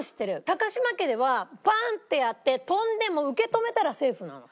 高嶋家ではパーンってやって飛んでも受け止めたらセーフなの。